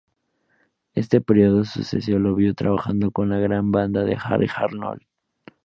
Este período sueco lo vio trabajando con la gran banda de Harry Arnold.